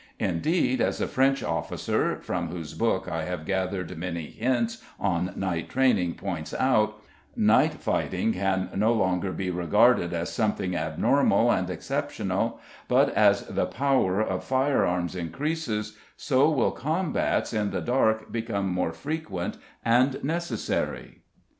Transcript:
Indeed, as a French officer, from whose book[A] I have gathered many hints on night training, points out, night fighting can no longer be regarded as something abnormal and exceptional, but as the power of fire arms increases, so will combats in the dark become more frequent and necessary.